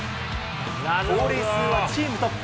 盗塁数はチームトップ。